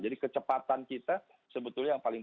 jadi kecepatan kita sebetulnya yang paling